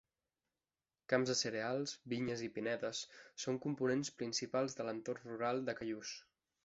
Camps de cereals, vinyes i pinedes són components principals de l’entorn rural de Callús.